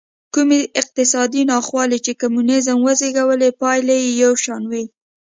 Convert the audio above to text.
کومې اقتصادي ناخوالې چې کمونېزم وزېږولې پایلې یې یو شان وې.